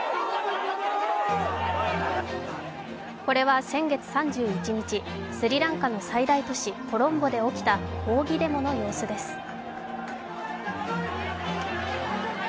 これは先月３１日、スリランカの最大都市コロンボで起きた抗議デモの様子です。